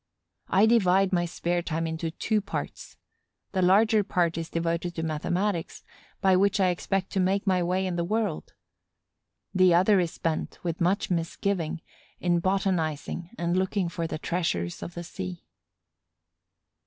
I divide my spare time into two parts. The larger part is devoted to mathematics, by which I expect to make my way in the world; the other is spent, with much misgiving, in botanizing and looking for the treasures of the sea.